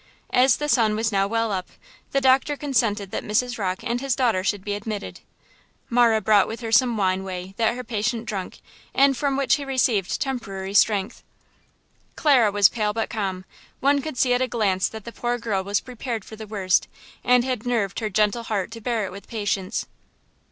As the sun was now well up, the doctor consented that Mrs. Rocke and his daughter should be admitted. Marah brought with her some wine whey that her patient drank, and from which he received temporary strength. Clara was pale but calm; one could see at a glance that the poor girl was prepared for the worst, and had nerved her gentle heart to bear it with patience.